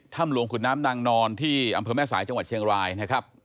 ถ้ำหลวงขุนน้ำนางนอนที่อำเภอแม่สายจังหวัดเชียงรายนะครับ